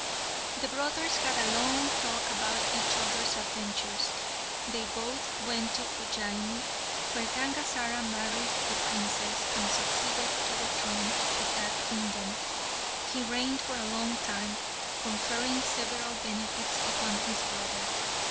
The brothers had a long talk about each other's adventures. They both went to Ujjaini, where Gangazara married the princess, and succeeded to the throne of that kingdom. He reigned for a long time, conferring several benefits upon his brother.